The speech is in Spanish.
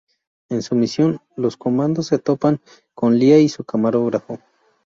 En su misión, los comandos se topan con Lia y su camarógrafo.